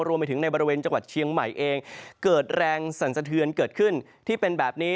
รวมไปถึงในบริเวณจังหวัดเชียงใหม่เองเกิดแรงสั่นสะเทือนเกิดขึ้นที่เป็นแบบนี้